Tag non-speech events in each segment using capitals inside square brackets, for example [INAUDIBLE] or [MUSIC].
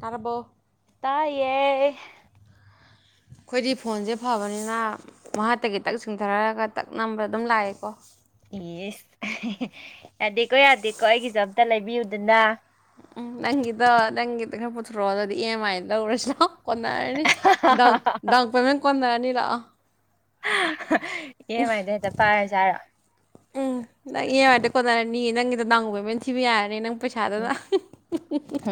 ꯇꯥꯔꯕꯣ ꯇꯥꯏꯌꯦꯦ ꯑꯩꯈꯣꯏꯗꯤ ꯐꯣꯟꯁꯦ ꯐꯕꯅꯤꯅ ꯉꯇꯒꯤ ꯇꯛ ꯁꯤꯡꯊꯔꯛꯑꯒ ꯇꯛ ꯅꯝꯕ ꯑꯗꯨꯝ ꯂꯥꯛꯑꯦꯀꯣ ꯌꯦꯁ ꯌꯥꯗꯦꯀꯣ ꯌꯥꯗꯦꯀꯣ ꯑꯩꯒꯤꯁꯨꯦ ꯑꯝꯇ ꯂꯩꯕꯤꯌꯨꯗꯅ ꯎꯝ ꯅꯪꯒꯤꯗꯣ ꯅꯪꯒꯤꯗꯣ ꯈꯔ ꯄꯨꯊꯣꯔꯛꯑꯣ ꯑꯗꯨꯗꯤ ꯏ ꯑꯦꯝ ꯑꯥꯏꯅ ꯂꯧꯧꯔꯁꯤ ꯂꯣ ꯀꯅꯔꯅꯤ ꯗꯥꯎꯟ ꯗꯥꯎꯟ ꯄꯦꯃꯦꯟ ꯀꯟꯅꯔꯅꯤ ꯂꯥꯛꯑꯣ ꯏꯃꯥꯏꯗ ꯍꯦꯛꯇ ꯄꯥꯏꯔ ꯆꯥꯔ ꯎꯝ ꯅꯪ ꯏ ꯑꯦꯝ ꯑꯥꯏꯗ ꯀꯣꯟꯅꯔꯅꯤ ꯅꯪꯒꯤꯗ ꯗꯥꯎꯟ ꯄꯦꯃꯦꯟ ꯊꯕ ꯌꯥꯔꯅꯤ ꯅꯪ ꯄꯩꯁꯥꯗꯨꯅ ꯎ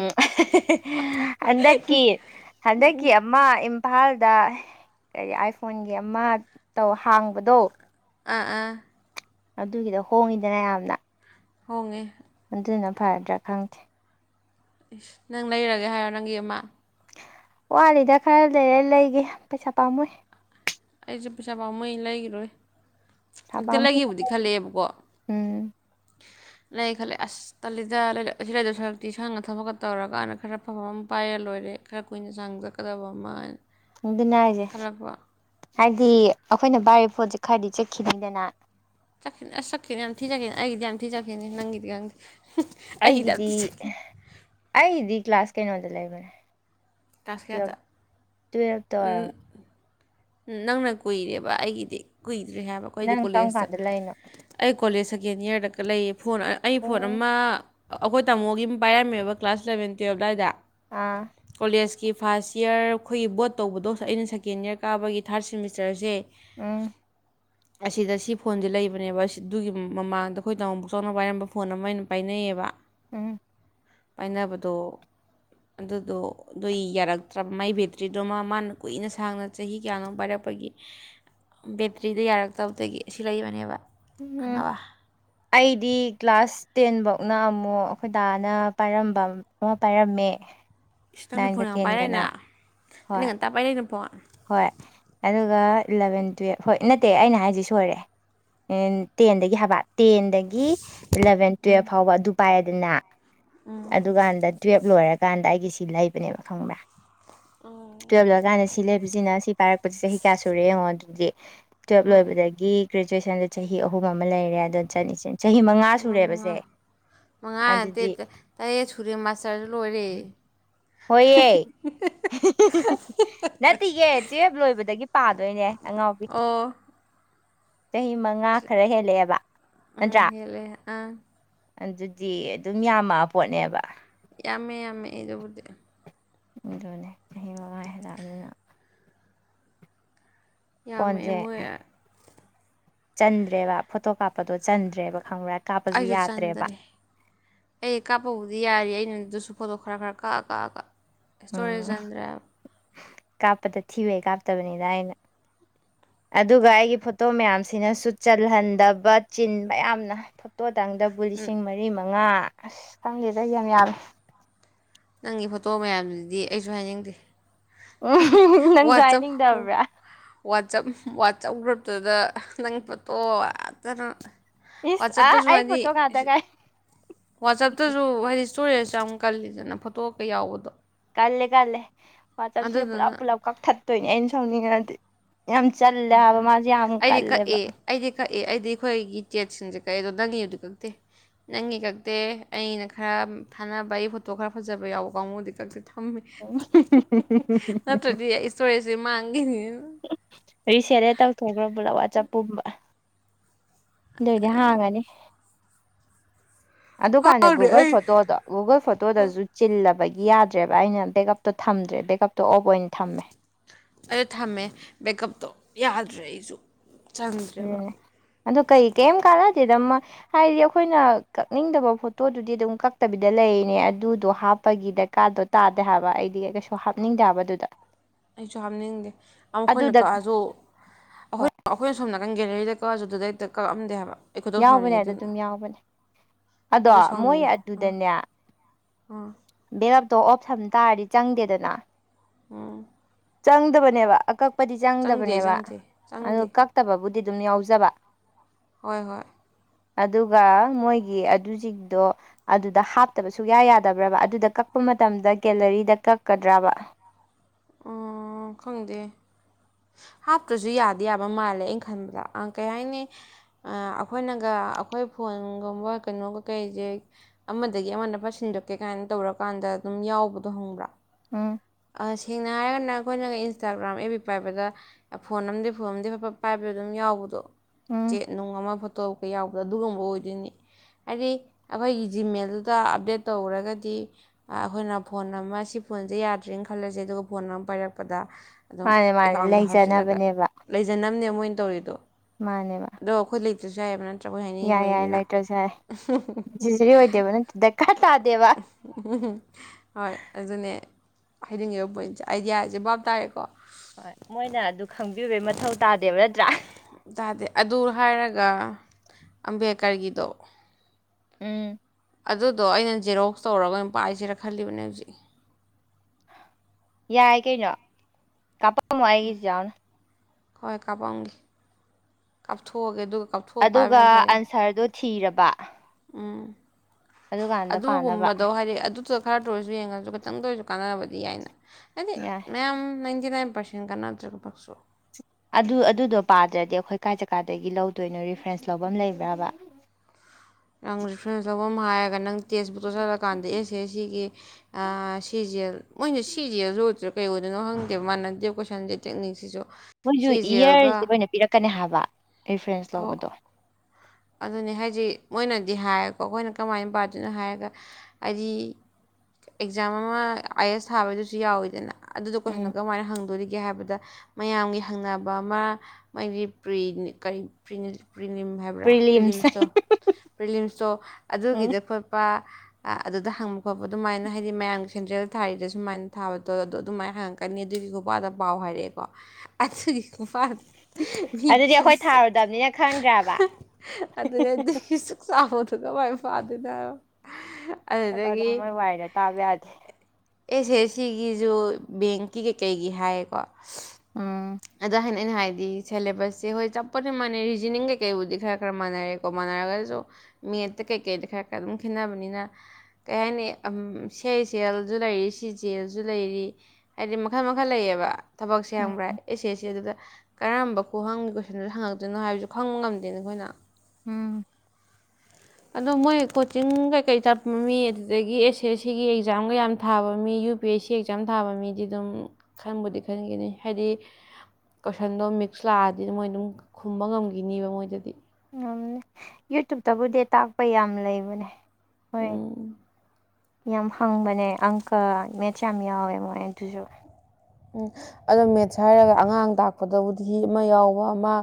ꯍꯟꯗꯛꯀꯤ ꯍꯟꯗꯛꯀꯤ ꯑꯃ ꯏꯝꯐꯥꯜꯗ ꯀꯔꯤ ꯑꯥꯏꯐꯣꯟꯒꯤ ꯑꯃ ꯇꯧ ꯍꯥꯡꯕꯗꯣ ꯑ ꯑꯥ ꯑꯗꯨꯒꯤꯗ ꯍꯣꯡꯉꯤꯗꯅ ꯌꯥꯝꯅ ꯍꯣꯡꯉꯦ ꯑꯗꯨꯅ ꯐꯗ꯭ꯔꯥ ꯈꯪꯗꯦ ꯏꯁꯁ ꯅꯪ ꯂꯩꯔꯒꯦ ꯍꯥꯏꯔꯣ ꯅꯪꯒꯤ ꯑꯃ ꯋꯥꯔꯤꯂꯤꯗ ꯈꯔ ꯂꯩꯔꯦ ꯂꯩꯒꯦ ꯄꯩꯁꯥ ꯄꯥꯝꯃꯣꯏ ꯑꯩꯁꯦ ꯄꯩꯁꯥ ꯄꯥꯎ ꯃꯩ ꯂꯩꯈꯤꯔꯣꯏ ꯄꯩꯁꯥ ꯑꯛꯇ ꯄꯥꯝꯃꯨꯏ ꯂꯩꯒꯕꯨꯗꯤ ꯈꯜꯂꯛꯑꯦꯕꯀꯣ ꯎꯝ ꯂꯩ ꯈꯜꯂꯦ ꯑꯁ ꯇꯂꯤꯗ ꯁꯤ ꯂꯩꯗ ꯁꯛꯇꯤ ꯏꯁꯥꯡꯅ ꯊꯕꯛꯀ ꯇꯧꯔꯀꯥꯟꯅ ꯈꯔ ꯐꯕ ꯑꯃ ꯄꯥꯏꯌꯦ ꯂꯣꯏꯔꯦ ꯍꯦ ꯈꯔ ꯀꯨꯏꯅ ꯁꯥꯡꯖꯀꯗꯕ ꯑꯃ ꯑꯗꯨꯪꯗ ꯏꯁꯦ ꯈꯜꯂꯛꯄ ꯍꯥꯏꯗꯤ ꯑꯩꯈꯣꯏꯅ ꯕꯥꯥꯏꯔꯤꯕ ꯄꯣꯠꯁꯦ ꯈꯔꯗꯤ ꯆꯠꯈꯤꯅꯤꯗꯅ ꯈꯤ ꯑꯁ ꯆꯠꯈꯤꯅꯦ ꯌꯥꯝ ꯊꯤꯖꯦꯅꯦ ꯑꯩꯒꯤꯗꯤ ꯌꯥꯝ ꯊꯤꯖꯈꯤꯦꯅꯦ ꯅꯪꯒꯤꯗꯤ ꯌꯥꯝ ꯑꯩꯒꯤꯗꯤ ꯊꯤ ꯆꯠꯈꯤꯅꯤ ꯑꯩꯒꯤꯗꯤ ꯀ꯭ꯂꯥꯁ ꯀꯩꯅꯣꯗ ꯂꯩꯕꯅꯦ ꯀꯥꯁꯀꯦꯗ ꯇꯨꯋꯦꯜ ꯇ ꯋꯥꯔ ꯅꯪꯅ ꯀꯨꯏꯔꯦꯕ ꯑꯩꯒꯤꯗꯤ ꯀꯨꯏꯗ꯭ꯔꯦ ꯍꯥꯏꯕ ꯑꯩꯈꯣꯏꯗꯤ ꯅꯪ ꯀꯔꯝ ꯀꯣꯂꯦꯖꯇ ꯀꯥꯟꯗ ꯂꯩꯅꯣ ꯀꯣꯂꯦꯖ ꯁꯦꯀꯦꯟ ꯏꯌꯥꯔꯗꯒ ꯂꯩꯌꯦ ꯐꯣꯟ ꯑꯩ ꯐꯣꯟ ꯑꯣ ꯑꯃ ꯑꯩꯈꯣꯏ ꯇꯥꯃꯣꯒꯤ ꯑꯃ ꯄꯥꯏꯔꯝꯃꯦꯕ ꯀ꯭ꯂꯥꯁ ꯏꯂꯦꯕꯦꯟ ꯇꯨꯌꯦꯦꯜꯞ ꯑꯗꯨꯋꯥꯏꯗ ꯑꯥ ꯐꯥꯔꯁ ꯌꯌꯔ ꯑꯩꯈꯣꯏꯒꯤ ꯕꯣꯠ ꯇꯧꯕꯗꯣ ꯑꯩꯅ ꯁꯦꯀꯦꯟ ꯏꯌꯥꯔ ꯀꯥꯕꯒꯤ ꯊꯥꯔꯠ ꯁꯦꯃꯤꯁꯇꯔꯁꯦ ꯎꯝ ꯑꯁꯤꯗ ꯁꯤ ꯐꯣꯟꯁꯦ ꯂꯩꯕꯅꯦꯕ ꯑꯗꯨꯒꯤ ꯃꯃꯥꯡꯗ ꯑꯩꯈꯣꯏ ꯇꯥꯉꯣꯕꯨꯛ ꯆꯥꯎꯥꯎꯅ ꯄꯥꯏꯔꯝꯕ ꯐꯣꯟ ꯑꯃ ꯑꯣꯏꯅ ꯄꯥꯏꯅꯩꯌꯦꯕ ꯎꯝ ꯄꯥꯏꯅꯕꯗꯣ ꯑꯗꯨꯗꯣ ꯑꯗꯨ ꯌꯥꯔꯛꯇ꯭ꯔꯕ ꯃꯥꯏ ꯕꯦꯇ꯭ꯔꯤꯗ ꯑꯗꯨꯗꯣ ꯃꯥ ꯃꯥꯅ ꯀꯨꯏꯅ ꯁꯥꯡꯅ ꯆꯍꯤ ꯀꯌꯥꯅꯣ ꯄꯥꯏꯔꯛꯄꯒꯤ ꯕꯦꯇ꯭ꯔꯤꯗ ꯌꯥꯔꯛꯇꯕꯗꯒꯤ ꯑꯁꯤ ꯂꯩꯕꯅꯦꯕ ꯎꯝ ꯈꯪꯉꯕ ꯑꯩꯗꯤ ꯗꯤ ꯀ꯭ꯂꯥꯁ ꯇꯦꯟ ꯐꯧꯅ ꯑꯃꯨꯛ ꯑꯩꯈꯣꯏꯗꯥꯅ ꯄꯥꯏꯔꯝꯕ ꯑꯃ ꯄꯥꯏꯔꯝꯃꯦ ꯏꯁ ꯅꯪꯗꯤ ꯐꯣꯟ ꯌꯥꯝ ꯟꯒꯇꯦꯟꯒꯅ ꯄꯥꯏꯔꯛꯏꯅ ꯅꯪꯗꯤ ꯍꯣꯏ ꯉꯟꯇꯥ ꯄꯥꯏꯔꯛꯏꯅ ꯐꯣꯟ ꯍꯣꯏ ꯑꯗꯨꯒ ꯏꯂꯕꯦꯟ ꯇꯨꯌꯦꯦꯜꯞ ꯍꯣꯏ ꯅꯠꯇꯦ ꯑꯩꯅ ꯍꯥꯏꯁꯤ ꯁꯣꯏꯔꯦ ꯇꯦꯟꯗꯒꯤ ꯍꯥꯕꯥꯠ ꯇꯦꯟꯗꯒꯤ ꯏꯂꯚꯦꯟ ꯇꯨꯋꯦꯜꯐ ꯐꯥꯎꯕ ꯑꯗꯨ ꯄꯥꯏꯔꯗꯅ ꯑꯗꯨꯀꯥꯟꯗ ꯇꯨꯌꯦꯜꯞ ꯂꯣꯏꯔꯀꯥꯟꯗ ꯑꯩꯒꯤ ꯁꯤ ꯂꯩꯕꯅꯦꯕ ꯈꯪꯕ꯭ꯔꯥ ꯇꯨꯋꯜꯞ ꯂꯣꯀꯥꯟꯗ ꯁꯤ ꯂꯩꯕꯁꯤꯅ ꯁꯤ ꯄꯥꯏꯔꯛꯄꯁꯤ ꯆꯍꯤ ꯀꯌꯥ ꯁꯨꯔꯦ ꯌꯦꯡꯉꯣ ꯑꯗꯨꯗꯤ ꯇꯨꯌꯦꯜꯞ ꯍꯣꯏ ꯂꯣꯏꯕꯗꯒꯤ ꯒ꯭ꯔꯦꯖꯨꯌꯦꯁꯟꯗ ꯆꯍꯤ ꯑꯍꯨꯝ ꯑꯃ ꯂꯩꯔꯦ ꯑꯗꯣ ꯆꯠꯂꯤꯁꯤ ꯆꯍꯤ ꯃꯉꯥ ꯑꯃ ꯃꯉꯥ ꯁꯨꯔꯦꯕꯁꯦ ꯑꯗꯨꯗꯤ ꯇꯥꯌꯦꯠ ꯁꯨꯔꯦ ꯃꯥꯁꯇꯔꯁꯨ ꯂꯣꯏꯔꯦ ꯍꯣꯏꯑ ꯅꯠꯇꯤꯌꯦ ꯇꯨꯌꯦꯜꯞ ꯂꯣꯏꯕꯗꯒꯤ ꯄꯥꯗꯣꯏꯅꯦ ꯑꯉꯥꯎꯕꯤ ꯑꯣ ꯆꯍꯤ ꯃꯉꯥ ꯈꯔ ꯍꯦꯜꯂꯦꯛꯑꯦꯕ ꯅꯠꯇ꯭ꯔꯥ ꯑꯡ ꯑꯗꯨꯗꯤ ꯑꯗꯨꯝ ꯌꯥꯝꯃꯛꯑ ꯄꯣꯠꯅꯦꯕ ꯌꯥꯝꯃꯦ ꯌꯥꯝꯃꯦ ꯑꯩꯗꯨꯕꯨꯗꯤ ꯑꯗꯨꯅꯦ ꯆꯍꯤ ꯃꯉꯥ ꯍꯦꯜꯂꯛꯑꯕꯅꯤꯅ ꯌꯥꯝꯃꯛꯑꯦ ꯐꯣꯟꯁꯦ ꯃꯣꯏ ꯑ ꯆꯟꯗ꯭ꯔꯦꯕ ꯐꯣꯇꯣ ꯀꯥꯞꯄꯗꯣ ꯆꯟꯗ꯭ꯔꯦꯕ ꯈꯪꯕ꯭ꯔꯥ ꯀꯥꯞꯄꯁꯨ ꯑꯩꯁꯨ ꯌꯥꯗ꯭ꯔꯦꯕ ꯆꯟꯗꯔꯦ ꯑꯩ ꯀꯥꯞꯄꯕꯨꯗꯤ ꯌꯥꯔꯤ ꯑꯩ ꯅꯨꯗꯁꯨ ꯐꯣꯇꯣ ꯈꯔ ꯈꯔ ꯀꯛꯑ ꯀꯛꯑꯒ ꯏꯁꯇꯣꯔꯦꯖ ꯎꯝ ꯆꯟꯗ꯭ꯔꯦꯕ ꯀꯥꯞꯄꯗ ꯊꯤꯕꯩ ꯀꯥꯞꯇꯕꯅꯤꯅ ꯑꯩꯅ ꯑꯗꯨꯒ ꯑꯩꯒꯤ ꯐꯣꯇꯣ ꯃꯌꯥꯝꯁꯤꯅꯁꯨ ꯆꯜꯍꯟꯗꯕ ꯆꯤꯟꯕꯌꯥꯝꯅ ꯐꯣꯇꯣꯠ ꯇꯨꯪꯗꯕꯨ ꯂꯤꯁꯤꯡ ꯃꯔꯤ ꯃꯉꯥ ꯑꯁ ꯈꯪꯗꯦꯗ ꯌꯥꯝ ꯌꯥꯝꯃꯦ ꯅꯪꯒꯤ ꯐꯣꯇꯣ ꯃꯌꯥꯝꯗꯨꯗꯤ ꯑꯩꯁꯨ ꯍꯥꯏꯅꯤꯡꯗꯦ ꯎꯝ ꯅꯪꯁꯨ ꯋꯥꯆꯞ ꯍꯥꯏꯅꯤꯡꯗꯕ꯭ꯔꯥ ꯋꯥꯆꯞ ꯋꯥꯆꯞ ꯒ꯭ꯔꯨꯞꯇꯨꯗ ꯅꯪ ꯄꯣꯇꯣ ꯑꯠꯇꯅ ꯏꯁ ꯑꯥ ꯋꯥꯆꯇꯁꯨ ꯑꯩ ꯍꯥꯏꯗꯤ ꯐꯣꯇꯣ ꯉꯥꯛꯇ ꯢꯁꯤ ꯀꯥꯏ ꯋꯥꯆꯇꯁꯨ ꯍꯥꯏꯗꯤ ꯁꯣꯇꯣꯔꯦꯖꯁ ꯌꯥꯝ ꯀꯜꯂꯤꯗꯅ ꯐꯣꯇꯣꯀ ꯌꯥꯎꯕꯗꯣ ꯀꯜꯂꯦ ꯀꯜꯂꯦ ꯋꯥꯆꯞꯁꯤꯁꯨ ꯄꯨꯂꯞ ꯑꯗꯨꯗꯨꯅ ꯄꯨꯂꯞ ꯀꯛꯊꯠꯇꯣꯏꯅꯦ ꯑꯩꯅ ꯁꯧꯅꯤꯡꯉꯛꯑꯗꯤ ꯎꯍꯨꯝ ꯑꯩꯗꯤ ꯀꯜꯂꯦꯕ ꯀꯛꯑꯦ ꯑꯩꯗꯤ ꯀꯛꯑꯦ ꯑꯩꯗꯤ ꯑꯩꯈꯣꯏꯒꯤ ꯆꯦꯠꯁꯤꯡꯁꯦ ꯀ ꯀꯩꯗꯣ ꯅꯪꯒꯤ ꯌꯨꯇꯨꯠꯇꯟ ꯇꯦ ꯅꯪꯒꯤ ꯀꯛꯇꯦ ꯑꯩꯅ ꯈꯔ ꯊꯥꯅꯕ ꯑꯩ ꯐꯣꯇꯣ ꯈꯔ ꯐꯖꯕ ꯌꯥꯎꯕ ꯀꯥꯡꯕꯨꯗꯤ ꯀꯛꯊꯠ ꯊꯝꯃꯦ ꯅꯠꯇ꯭ꯔꯗꯤ ꯑꯩ ꯏꯁꯇꯣꯔꯦꯖꯁꯦ ꯃꯥꯡꯒꯤꯅꯤ ꯔꯤꯁꯦꯠ ꯍꯦꯛ ꯇꯧꯊꯣꯛꯈ꯭ꯔꯣ ꯄꯨꯂꯞ ꯋꯥꯆꯞ ꯄꯨꯝꯕ ꯑꯗꯨꯏꯗꯤ ꯍꯥꯡꯉꯅꯤ ꯑꯗꯨꯀꯥꯟꯗ ꯈꯪꯗꯦ ꯒꯨꯒꯜ ꯑꯩ ꯐꯣꯇꯣꯗꯣ ꯒꯨꯒꯜ ꯐꯣꯇꯣꯗꯁꯨ ꯆꯤꯟꯂꯕꯩ ꯌꯥꯗ꯭ꯔꯦꯕ ꯑꯩꯅ ꯕꯦꯛ ꯎꯞꯇꯣ ꯊꯝꯗ꯭ꯔꯦ ꯕꯦꯒꯞꯇꯣ ꯑꯣꯐ ꯑꯣꯏꯅ ꯊꯝꯃꯦ ꯑꯩꯗꯣ ꯊꯝꯃꯦ ꯕꯦꯛꯀꯞꯇꯣ ꯌꯥꯗ꯭ꯔꯦ ꯑꯩꯁꯨ ꯆꯪꯗ꯭ꯔꯦꯕ ꯎꯝ ꯑꯗꯣ ꯀꯩ ꯀꯩꯝ ꯀꯥꯂ ꯁꯤꯗꯃ ꯍꯥꯏꯗꯤ ꯑꯩꯈꯣꯏꯅ ꯀꯛꯅꯤꯡꯗꯕ ꯐꯣꯇꯣꯗꯨꯗꯤ ꯑꯗꯨꯝ ꯀꯛꯇꯕꯤꯗ ꯂꯩꯅꯦ ꯑꯗꯨꯗꯣ ꯍꯥꯞ ꯍꯄꯒꯤ ꯗꯔꯀꯥꯔꯗꯣ ꯇꯥꯗꯦ ꯍꯥꯏꯕ ꯑꯩꯗꯤ ꯀꯩꯁꯨ ꯍꯥꯞꯅꯤꯡꯗꯦꯕ ꯑꯗꯨꯗ ꯑꯩꯁꯨ ꯍꯥꯞꯅꯤꯡꯗꯦ ꯑꯃꯈꯣꯏꯅ ꯑꯗꯨꯗ ꯀꯛꯑꯁꯨ ꯍꯣꯏ ꯑꯩꯈꯣꯏ ꯑꯩꯈꯣꯏꯅ ꯁꯣꯝꯅ ꯅꯪ ꯒꯦꯂꯔꯤꯗ ꯀꯛꯑꯁꯨ ꯑꯗꯨꯗ ꯍꯦꯛꯇ ꯀꯛꯑꯝꯗꯦ ꯍꯥꯏꯕ ꯑꯩ ꯈꯣꯏꯗꯧ ꯌꯥꯎꯕꯅꯦ ꯁꯥꯎꯅꯤꯡꯉꯦ ꯑꯗꯨ ꯑꯗꯨꯅ ꯑꯗꯨꯝ ꯌꯥꯎꯕꯅꯦ ꯑꯗꯣ ꯑꯩꯗꯣ ꯃꯣꯏ ꯁꯥꯎꯅꯤꯡꯉꯦ ꯑꯥ ꯑꯗꯨꯗꯅꯦ ꯑꯥ ꯕꯦꯜ ꯑꯞꯇꯣ ꯑꯣꯐ ꯊꯝ ꯇꯥꯔꯗꯤ ꯆꯪꯗꯦꯗꯅ ꯎꯝ ꯆꯪꯗꯕꯅꯦꯕ ꯑꯀꯛꯄꯗꯤ ꯆꯪꯗꯦ ꯆꯪꯗꯕꯅꯦꯕ ꯆꯪꯗꯦ ꯑꯗꯨ ꯆꯪꯗꯦ ꯀꯛꯇꯕꯕꯨꯗꯤ ꯗꯨꯝ ꯌꯥꯎꯖꯕ ꯍꯣꯏ ꯍꯣꯏ ꯑꯗꯨꯒ ꯃꯣꯏꯒꯤ ꯑꯗꯨꯁꯤꯡꯗꯣ ꯑꯗꯨꯗ ꯍꯥꯞꯇꯕ ꯁꯨꯛꯌꯥ ꯌꯥꯗꯕ꯭ꯔꯕ ꯑꯗꯨꯗ ꯀꯛ ꯄꯨꯝ ꯃꯇꯝꯗ ꯒꯦꯂꯔꯤꯗ ꯀꯛꯀꯗ꯭ꯔꯕ ꯑꯣ ꯈꯪꯗꯦ ꯍꯥꯞꯇ꯭ꯔꯁꯨ ꯌꯥꯗꯤ ꯌꯥꯕ ꯃꯥꯜꯂꯦ ꯑꯩꯟ ꯈꯟꯕꯗ ꯀꯩ ꯍꯥꯏꯅꯤ ꯑꯈꯣꯏꯅꯒ ꯑꯈꯣꯏ ꯐꯣꯟꯒꯨꯝꯕ ꯀꯩꯅꯣ ꯀꯀꯩꯁꯦ ꯑꯃꯗꯒꯤ ꯑꯃꯅ ꯄꯥꯁꯤꯟꯗꯣꯛꯀꯦ ꯀꯥꯏꯅ ꯇꯧꯔꯀꯥꯟꯗ ꯗ ꯑꯗꯨꯝ ꯌꯥꯎꯕꯗꯣ ꯍꯪꯕ꯭ꯔꯥ ꯎꯝ ꯁꯦꯡꯅ ꯍꯥꯏꯔꯒꯅ ꯑꯩꯈꯣꯏꯅꯒ ꯏꯟꯁꯇꯥꯒ꯭ꯔꯥꯝ ꯑꯦꯞꯕꯤ ꯄꯥꯏꯕꯗ ꯐꯣꯟ ꯑꯃꯗꯤꯝ ꯐꯣꯟ ꯑꯝ ꯐ ꯄꯥꯏꯕꯗꯣ ꯑꯗꯨꯝ ꯌꯥꯎꯕꯗꯣ ꯎꯝ ꯆꯦꯠ ꯅꯨꯡ ꯑꯃ ꯐꯣꯇꯣ ꯀꯩ ꯌꯥꯎꯕꯗ ꯑꯗꯨꯒꯨꯝꯕ ꯑꯣꯏꯗꯣꯏꯅꯤ ꯍꯥꯏꯗꯤ ꯑꯩꯈꯣꯏꯒꯤ ꯖꯤꯃꯦꯜꯗꯨꯗ ꯑꯞꯗꯦꯠ ꯇꯧꯔꯒꯗꯤ ꯑꯩꯈꯣꯏꯅ ꯐꯣꯟ ꯑꯃ ꯁꯤ ꯐꯣꯟꯁꯦ ꯌꯥꯗ꯭ꯔꯦꯅ ꯈꯜꯂꯁꯦ ꯑꯗꯨꯒ ꯐꯣꯟ ꯑꯃ ꯄꯥꯏꯔꯛꯄꯗ ꯑꯗꯨꯝ ꯃꯥꯅꯦ ꯃꯥꯅꯦ ꯑꯦꯀꯥꯎꯟꯗꯣ ꯍꯥꯞꯆꯤꯜꯂꯒ ꯂꯩꯖꯅꯕꯅꯦꯕ ꯂꯩꯖꯅꯕꯅꯦ ꯃꯣꯏꯅ ꯇꯧꯔꯤꯗꯣ ꯃꯥꯅꯦꯕ ꯁꯨꯁ ꯍꯥꯏꯕꯅ ꯌꯥꯏ ꯌꯥꯏ ꯂꯩꯇ꯭ꯔꯁꯨ ꯌꯥꯏ ꯁꯤꯁꯤꯔꯤ ꯑꯣꯏꯗꯦꯕ ꯅꯠꯇ ꯍꯣꯏꯖ ꯍꯥꯏꯅꯤꯡꯉꯤꯕ ꯄꯣꯏꯟꯁꯦ ꯑꯥꯏꯗꯤꯌꯥꯁꯦ ꯚꯥꯞ ꯇꯥꯔꯦꯀꯣ ꯍꯣꯏ ꯃꯣꯏꯅ ꯑꯗꯨ ꯈꯪꯕꯤꯌꯨꯕ ꯃꯊꯧ ꯇꯥꯗꯦꯕ ꯅꯠꯇ꯭ꯔꯥ ꯑꯗꯨꯒ ꯑꯝꯕꯦꯗꯀꯔꯒꯤꯗꯣ ꯎꯝ ꯑꯗꯨꯗꯣ ꯑꯩꯅ ꯖꯦꯔꯣꯛꯁ ꯇꯧꯔꯒ ꯑꯣꯏꯅꯝ ꯄꯥꯏꯁꯤꯦꯔ ꯈꯜꯂꯤꯕꯅꯦ ꯍꯧꯖꯤꯛ ꯌꯥꯏ ꯀꯩꯅꯣ ꯀꯄ ꯋꯥꯏꯒꯤꯁꯤ ꯌꯥꯎꯅ ꯍꯣꯏ ꯀꯥꯞꯄꯝꯒꯦ ꯀꯥꯞꯊꯣꯛꯑꯒꯦ ꯑꯗꯨꯒ ꯀꯥꯞꯊꯣꯛꯑ ꯑꯗꯨꯒ ꯄꯥꯏꯕꯅ ꯐꯩ ꯑꯟꯁꯔꯗꯨ ꯊꯤꯔꯕ ꯑꯗꯨꯀꯥꯟꯗ ꯄꯥꯅꯕ ꯑꯗꯨꯒꯨꯝꯕꯗꯣ ꯍꯥꯏꯗꯤ ꯑꯗꯨꯗ ꯈꯔꯇ ꯑꯣꯏꯔꯁꯨ ꯌꯦꯡꯉꯁꯨ ꯈꯤꯇꯪꯗ ꯑꯣꯏꯔꯁꯨ ꯀꯥꯟꯅꯔꯕꯗꯤ ꯌꯥꯏꯅ ꯍꯥꯏꯗꯤ ꯌꯥꯏ ꯃꯌꯥꯝ ꯅꯊꯤ ꯅꯥꯏ ꯄꯁꯦꯟ ꯀ ꯅꯠꯇ꯭ꯔꯒ ꯄꯁꯨ ꯑꯗꯨ ꯑꯗꯨꯗꯣ ꯄꯥꯗ꯭ꯔꯗꯤ ꯑꯩꯈꯣꯏ ꯀꯥꯏ ꯆꯀꯥꯗꯒꯤ ꯂꯧꯗꯣꯏꯅꯣ ꯔꯤꯐ꯭ꯔꯦꯟꯁ ꯂꯧꯕ ꯂꯩꯕ꯭ꯔꯕ [UNINTELLIGIBLE] ꯅꯪ ꯔꯤꯐ꯭ꯔꯦꯟꯁ ꯇꯧꯕ ꯑꯃ ꯍꯥꯏꯔꯒ ꯅꯪ ꯇꯦꯛꯁꯕꯨꯛꯇ ꯆꯜꯂꯛꯀꯥꯟꯗ ꯑꯦꯁꯦ ꯁꯤꯒꯤ ꯁꯤꯁꯦ ꯃꯣꯏꯁ ꯁꯤꯁꯁꯨꯗ꯭ꯔꯦ ꯀꯩ ꯑꯣꯏꯗꯅꯣ ꯍꯪꯗꯦꯕ ꯃꯥꯅ ꯗꯦ ꯀꯣꯏꯁꯟꯁꯦ ꯇꯦꯛꯅꯤꯛꯁꯤꯁꯨ ꯃꯣꯏꯁꯨ ꯁꯤ ꯖꯤ ꯑꯦꯜꯒ ꯏꯌꯥꯔꯁꯦ ꯑꯣꯏꯅ ꯄꯤꯔꯛꯀꯅꯤ ꯍꯥꯏꯕ ꯔꯤꯐꯔꯦꯟꯁ ꯂꯧꯕꯗꯣ ꯑꯗꯨꯅꯦ ꯍꯥꯏꯁ ꯃꯣꯏꯅꯗꯤ ꯍꯥꯏꯔꯀꯣ ꯑꯩꯈꯣꯏꯅ ꯀꯃꯥꯏ ꯄꯥꯗꯣꯏꯅꯣ ꯍꯥꯏꯔꯒ ꯍꯥꯏꯗꯤ ꯑꯦꯛꯖꯥꯝ ꯑꯃ ꯑꯥꯏ ꯑꯦꯁ ꯊꯥꯕꯗꯨꯁꯨ ꯌꯥꯎꯋꯤꯗꯅ ꯑꯗꯨꯗꯣ ꯎꯝ ꯀꯣꯏꯁꯜꯂꯒ ꯀꯃꯥꯏꯅ ꯍꯪꯗꯣꯔꯤꯒꯦ ꯒꯦ ꯍꯥꯏꯕꯗ ꯃꯌꯥꯝꯒꯤ ꯍꯪꯅꯕ ꯑꯃ ꯃꯒꯤꯔꯤ ꯀꯔꯤꯔꯤ ꯄ꯭ꯔꯤꯂꯤꯝ ꯍꯥꯏꯕ꯭ꯔꯥ ꯄ꯭ꯔꯤꯂꯤꯝꯁ ꯄ꯭ꯔꯤꯂꯤꯝꯁꯇꯣ ꯄ꯭ꯔꯤꯂꯤꯝꯁꯇꯣ ꯎꯝ ꯑꯗꯨꯒꯤꯗ ꯈꯣꯠꯄ ꯑꯗꯨꯗ ꯍꯪꯕ ꯈꯣꯠꯄ ꯑꯗꯨꯃꯥꯏꯅ ꯍꯥꯏꯗꯤ ꯃꯌꯥꯝ ꯁꯦꯟꯇ꯭ꯔꯦꯜ ꯊꯥꯔꯤꯗ ꯁꯨꯃꯥꯏꯅ ꯊꯥꯕꯗꯣ ꯑꯗꯨꯗꯣ ꯑꯗꯨꯃꯥꯏꯅ ꯍꯪꯉꯛꯀꯅꯤ ꯑꯗꯨꯒꯤ ꯄꯥꯗ ꯄꯥꯎ ꯍꯥꯏꯔꯛꯑꯦꯀꯣ ꯑꯗꯨꯒꯤ ꯄꯥ ꯃꯤ ꯑꯗꯨꯗꯤ ꯆ ꯑꯩꯈꯣꯏ ꯊꯥꯔꯨꯗꯕꯅꯤꯅ ꯈꯪꯗ꯭ꯔꯕ ꯑꯗꯨꯗꯗꯤꯒꯤ ꯁꯛ ꯆꯥꯕꯗꯨꯗ ꯃꯥꯏ ꯄꯥꯗꯣꯏꯅꯦꯕ ꯆꯠꯂꯣ ꯑꯗꯥ ꯃꯣꯏ ꯋꯥꯏꯔꯦ ꯇꯥꯕ ꯌꯥꯗꯦ ꯑꯦꯁ ꯑꯦꯁ ꯁꯤꯒꯤꯁꯨ ꯕꯦꯡꯀꯤ ꯀꯩꯀꯩꯒꯤ ꯍꯥꯏꯌꯦꯀꯣ ꯎꯝ ꯑꯗ ꯍꯥꯏ ꯑꯩꯅ ꯍꯥꯏꯗꯤ ꯁꯦꯂꯦꯕꯁꯁꯦ ꯍꯣꯏ ꯆꯞꯄꯠꯅ ꯃꯥꯟꯅꯩ ꯔꯤꯖꯅꯤꯡ ꯀꯩꯀꯩꯕꯨꯗꯤ ꯈꯔ ꯈꯔ ꯃꯥꯟꯅꯔꯦꯀꯣ ꯃꯥꯟꯅꯔꯒꯁꯨ ꯃꯦꯠꯇ ꯀꯩꯀꯩꯗ ꯈꯔ ꯈ ꯑꯗꯨꯝ ꯈꯦꯠꯅꯕꯅꯤꯅ ꯀꯩ ꯍꯥꯏꯅꯤ ꯁ ꯁꯦꯜꯁꯨ ꯂꯩ ꯂꯩ ꯁꯤꯖꯦꯜꯁꯨ ꯂꯩꯔꯤ ꯍꯥꯏꯗꯤ ꯃꯈꯜ ꯃꯈꯜ ꯂꯩꯌꯦꯕ ꯊꯕꯛꯁꯦ ꯎꯝ ꯌꯥꯝꯕ꯭ꯔꯥ ꯁꯦ ꯑꯗꯨꯗ ꯀꯔꯝꯕ ꯈꯍꯪꯒꯤ ꯀꯣꯏꯁꯟꯗꯨꯁꯨ ꯍꯪꯉꯛꯇꯣꯏꯅꯣ ꯍꯥꯏꯕꯁꯨ ꯈꯪꯕ ꯉꯝꯗꯦꯅ ꯑꯩꯈꯣꯏꯅ ꯎꯝ ꯑꯗꯣ ꯃꯣꯏ ꯀꯣꯆꯤꯡ ꯀꯩꯀꯩ ꯆꯠꯄ ꯃꯤ ꯑꯗꯨꯗꯒꯤ ꯑꯦꯁ ꯑꯦꯁ ꯁꯤꯒꯤ ꯑꯦꯛꯖꯥꯝꯒ ꯌꯥꯝ ꯊꯥꯕ ꯃꯤ U P S C exam ꯊꯥꯕ ꯃꯤꯗꯤ ꯑꯗꯨꯝ ꯈꯟꯕꯨꯗꯤ ꯈꯟꯒꯅꯤ ꯍꯥꯏꯗꯤ ꯀꯣꯏꯁꯟꯗꯣ ꯃꯤꯛꯁ ꯂꯥꯛꯑꯗꯤ ꯃꯣꯏ ꯑꯗꯨꯝ ꯈꯨꯝꯕ ꯉꯝꯈꯤꯅꯦꯕ ꯃꯣꯏꯗꯗꯤ ꯎꯝ ꯌꯨꯇꯨꯕꯇꯕꯨꯗꯤ ꯇꯥꯛꯄ ꯌꯥꯝ ꯂꯩꯕꯅꯦ ꯍꯣꯏ ꯎꯝ ꯌꯥꯝ ꯍꯪꯕꯅꯦ ꯑꯪꯀ ꯃꯦꯠꯁ ꯌꯥꯝ ꯌꯥꯎꯋꯦ ꯃꯣꯏ ꯑꯗꯨꯁꯨ ꯑꯗꯣ ꯃꯦꯠꯁ ꯍꯥꯏꯔꯒ ꯑꯉꯥꯡ ꯇꯥꯛꯄꯗꯕꯨꯗꯤ ꯍꯤ ꯑꯃ ꯌꯥꯎꯕ ꯑꯃ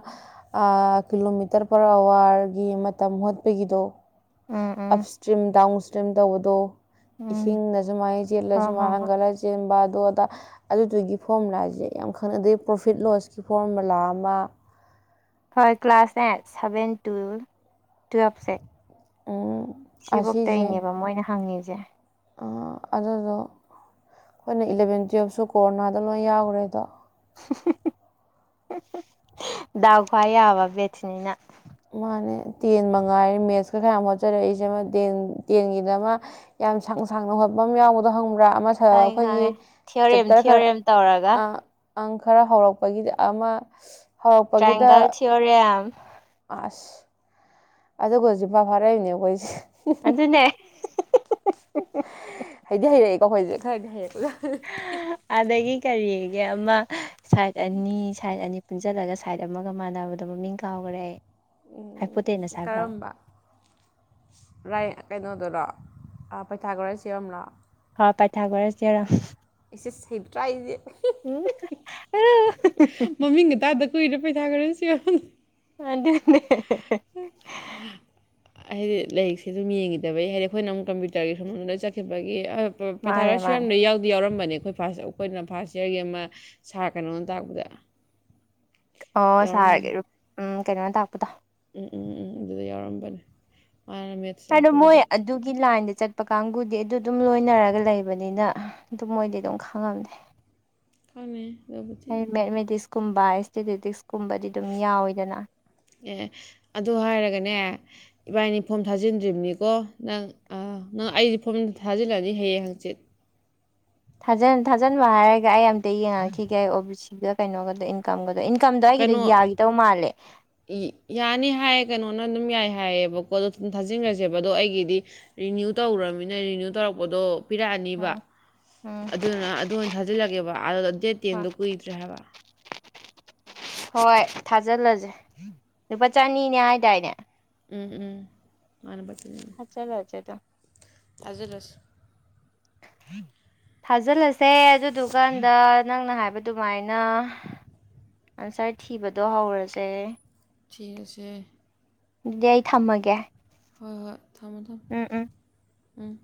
ꯀꯤꯂꯣꯃꯤꯇꯔ ꯄꯔ ꯑꯋꯥꯔꯒꯤ ꯃꯇꯝ ꯍꯣꯠꯄꯒꯤꯗꯣ ꯎꯝ up um stream down stream ꯇꯧꯕꯗꯣ ꯎꯝ ꯏꯁꯤꯡꯅ ꯁꯨꯃꯥꯏꯅ ꯆꯦꯜꯂꯁꯨꯨ ꯍꯣꯏ ꯍꯣꯏ ꯃꯥꯡ ꯍꯣꯏ ꯈꯜꯂ ꯆꯦꯟꯕ ꯑꯗꯨ ꯑꯗ ꯑꯗꯨꯗꯨꯒꯤ ꯐꯣꯔꯃꯨꯂꯥꯥꯁꯦ ꯌꯥꯝ ꯈꯪꯅ ꯑꯗꯩ ꯄ꯭ꯔꯣꯐꯤꯠ ꯂꯣꯁꯀꯤ ꯐꯣꯔꯃꯨꯂꯥ ꯑꯃ ꯍꯣꯏ ꯀ꯭ꯂꯥꯁꯅꯦ ꯁꯚꯦꯟ ꯇꯨꯋ ꯇꯨꯋꯦꯜꯕꯁꯦ ꯁꯤꯐꯧ ꯑꯁꯤꯁꯦ ꯇꯩꯅꯦꯕ ꯃꯣꯏꯅ ꯍꯪꯉꯤꯁꯦ ꯑꯗꯨꯗꯣ ꯑꯩꯈꯣꯏꯅ ꯏꯂꯚꯦꯟ ꯇꯨꯌꯦꯦꯜꯞꯁꯨ ꯀꯣꯔꯣꯅꯥꯗ ꯂꯣꯏ ꯌꯥꯎꯈ꯭ꯔꯦꯗꯣ ꯗꯎ ꯈꯍ ꯌꯥꯕ ꯦꯊꯅꯤꯅ ꯃꯥꯅꯦ ꯇꯦꯟ ꯃꯉꯥꯏꯔꯦ ꯃꯦꯠꯁꯀ ꯈꯔ ꯍꯣꯠꯆꯔꯛꯏꯁꯦ ꯑꯃ ꯇꯦꯟ ꯇꯦꯟꯒꯤꯗ ꯑꯃ ꯌꯥꯝ ꯁꯥꯡꯅ ꯁꯥꯡꯅ ꯍꯣꯠꯄ ꯑꯃ ꯌꯥꯎꯕꯗꯣ ꯍꯪꯕ ꯄꯨꯔꯥ ꯑꯃ ꯈꯪꯉꯦ ꯑꯩꯈꯣꯏꯒꯤ ꯈꯪꯉꯦ ꯊꯤꯑꯣꯔꯦꯝ ꯆꯦꯞꯇꯔ ꯈꯔ ꯊꯤꯑꯣꯔꯦꯝ ꯇꯧꯔꯒ ꯑꯪ ꯈꯔ ꯍꯧꯔꯛꯄꯒꯤ ꯑꯃ ꯍꯧꯔꯛꯄꯒꯤꯗ ꯇ꯭ꯔꯥꯏꯡꯒꯜ ꯊꯤꯑꯣꯔꯦꯝ ꯑꯁ ꯑꯗꯨꯒ ꯍꯧꯖꯤꯛꯄꯥ ꯐꯥꯔꯛꯏꯅꯦ ꯑꯩꯈꯣꯏꯁꯦ ꯑꯗꯨ ꯑꯗꯨꯅꯦ ꯍꯩꯗꯤ ꯍꯩꯔꯛꯏꯀꯣ ꯑꯩꯈꯣꯏꯁꯦ ꯈꯔ ꯈ ꯍꯦꯛ ꯑꯗꯨꯗꯒꯤ ꯀꯔꯤꯒꯤ ꯑꯃ ꯁꯥꯏꯠ ꯑꯅꯤ ꯁꯥꯏꯠ ꯑꯅꯤ ꯄꯨꯟꯁꯤꯜꯂꯒ ꯁꯥꯏꯠ ꯑꯃꯒ ꯃꯥꯟꯅꯕꯗꯣ ꯃꯃꯤꯡ ꯀꯥꯎ ꯍꯣꯔꯦ ꯍꯥꯏꯐꯨꯠꯇꯩꯅ ꯁꯥꯕ꯭ꯔꯣꯑꯣ ꯀꯔꯝꯕ ꯔꯥꯏ ꯀꯩꯅꯣꯗꯨꯗꯣ ꯄꯩꯊꯥ ꯈꯔ ꯆꯔꯝꯕ꯭ꯔꯣ ꯍꯥꯎ ꯄꯥꯏꯊꯥꯒꯔꯁꯤꯦꯔꯣ ꯆꯁ ꯍꯕ꯭ꯔꯥꯦ ꯎꯝ ꯑ [INAUDIBLE] ꯁꯨꯏꯗ ꯄꯩꯊꯥꯒ ꯁꯤ ꯌꯥꯝ ꯑ [UNINTELLIGIBLE] [INAUDIBLE] ꯍꯥꯏꯗꯤ ꯂꯥꯏꯔꯤꯛꯁꯦ ꯑꯗꯨꯝ ꯌꯦꯡꯈꯤꯗꯕꯩ ꯍꯥꯏꯗꯤ ꯑꯩꯈꯣꯏꯅ ꯑꯃꯨꯛ ꯀꯝꯄ꯭ꯌꯨꯇꯔꯒꯤ ꯊꯝꯗ ꯆꯠꯈꯤꯕꯒꯤ ꯃꯥꯅꯦ ꯄꯩꯊꯥꯔꯁꯨ ꯌꯥꯝ ꯃꯥꯅꯦ ꯂꯩ ꯌꯥꯎꯗꯦ ꯌꯥꯧꯔꯝꯕꯅꯦ ꯑꯩꯈꯣꯏ ꯐꯥꯁ ꯑꯩꯈꯣꯏꯅ ꯐꯥꯁ ꯏꯌꯥꯔꯒꯤ ꯑꯃ ꯁꯥꯔ ꯀꯩꯅꯣꯅ ꯇꯥꯛꯄꯗ ꯑꯣ ꯌꯥꯎꯔꯝ ꯁꯥꯔꯒꯦ ꯎꯝ ꯀꯩꯅꯣꯅ ꯇꯥꯛꯄꯗꯣ ꯎꯝ ꯎꯝ ꯎꯝ ꯑꯗꯨꯗ ꯌꯥꯎꯔꯝꯕꯅꯦ ꯃꯥꯅ ꯃꯦꯠꯁ ꯍꯥꯏꯗꯣ ꯃꯣꯏ ꯇꯥꯛꯄꯒꯤꯗꯨꯗ ꯑꯗꯨꯒꯤ ꯂꯥꯏꯟꯗ ꯆꯠꯄ ꯀꯥꯡꯕꯨꯗꯤ ꯑꯗꯨ ꯑꯗꯨꯝ ꯂꯣꯏꯅꯔꯒ ꯂꯩꯕꯅꯤꯅ ꯑꯗꯨꯝ ꯃꯣꯏꯗꯤ ꯑꯗꯨꯝ ꯈꯥꯡꯉꯝꯗꯦ ꯀꯅ ꯑꯗꯨꯕꯗꯤ ꯀꯨꯝꯕꯥ ꯏꯁꯇꯤꯊꯦꯇꯤꯛꯁ ꯑꯦ ꯑꯗꯨ ꯍꯥꯏꯔꯒꯅꯦ ꯏꯕꯥꯅꯤ ꯐꯣꯝ ꯊꯥꯖꯤꯟꯗ꯭ꯔꯤꯕꯅꯤꯀꯣ ꯅꯪ ꯅꯪ ꯑꯩꯗꯤ ꯐꯐꯝꯗ ꯊꯥꯖꯤꯜꯂꯅꯤ ꯍꯌꯦꯡ ꯍꯪꯆꯤꯠ ꯊꯥꯖꯟꯕ ꯍꯥꯏꯔꯒ ꯑꯩ ꯑꯝꯇ ꯌꯦꯡꯉꯛꯈꯤꯒꯦ ꯑꯩ ꯑꯣ ꯕꯤ ꯁꯤꯒ ꯀꯩꯅꯣꯒꯗ ꯏꯟꯀꯝꯒ ꯑꯗꯣ ꯏꯟꯀꯝꯗꯣ ꯑꯩꯒꯤꯗꯣ ꯀꯩꯅꯣ ꯌꯥꯈꯤꯗꯧ ꯃꯥꯜꯂꯦ ꯑꯗꯨꯅ ꯑꯗꯨꯝ ꯌꯥꯏ ꯍꯥꯏꯌꯦꯕꯀꯣ ꯑꯗꯣ ꯑꯗꯨꯝ ꯊꯥꯖꯤꯟꯈ꯭ꯔꯁꯦꯕ ꯑꯗꯣ ꯑꯩꯒꯤꯗꯤ ꯔꯤꯅ꯭ꯌꯨ ꯇꯧꯔꯃꯤꯅ ꯔꯤꯅ꯭ꯌꯨ ꯇꯧꯔꯛꯄꯗꯣ ꯄꯤꯔꯛꯑꯅꯤꯕ ꯎꯝ ꯎꯝ ꯑꯗꯨꯅ ꯑꯗꯨ ꯑꯣꯏꯅ ꯊꯥꯖꯤꯜꯂꯛꯒꯦꯕ ꯑ ꯗꯦꯠ ꯇꯦꯟꯗꯣ ꯀꯨꯏꯗ꯭ꯔꯦ ꯍꯥꯏꯕ ꯍꯣꯏ ꯊꯥꯖꯤꯜꯂꯁꯦ ꯂꯨꯄꯥ ꯆꯅꯤꯅꯦ ꯍꯥꯏꯗꯥꯏꯅꯦ ꯎꯝ ꯎꯝ ꯃꯥꯅꯄꯠꯇ ꯊꯥꯖꯤꯜꯂꯁꯦ ꯑꯖꯤ ꯂꯁꯤ ꯍꯝ ꯊꯥꯖꯤꯜꯂꯁꯦ ꯑꯗꯨꯗꯨꯀꯥꯟꯗ ꯅꯪꯅ ꯍꯥꯏꯕ ꯑꯗꯨꯃꯥꯏꯅ ꯑꯟꯁꯥꯔ ꯊꯤꯕꯗꯣ ꯍꯧꯔꯁꯦ ꯊꯁꯦ ꯑꯗꯨꯗꯤ ꯑꯩ ꯊꯝꯃꯒꯦ ꯍꯣꯏ ꯍꯣꯏ ꯊꯝꯃꯣ ꯊꯝꯃꯣ ꯎꯝ ꯎꯝ ꯎꯝ